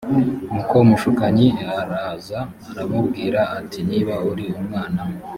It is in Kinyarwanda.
nuko umushukanyi l araza aramubwira ati niba uri umwana